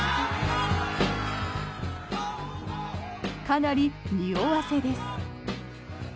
かなりにおわせです。